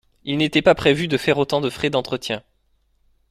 Il n’était pas prévu de faire autant de frais d’entretien.